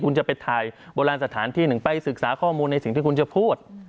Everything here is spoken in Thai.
คุณจะไปถ่ายโบราณสถานที่หนึ่งไปศึกษาข้อมูลในสิ่งที่คุณจะพูด